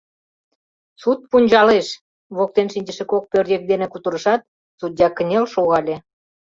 — Суд пунчалеш, — воктен шинчыше кок пӧръеҥ дене кутырышат, судья кынел шогале.